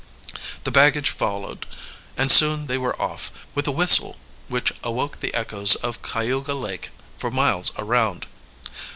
The baggage followed, and soon they were off, with a whistle which awoke the echoes of Cayuga Lake for miles around.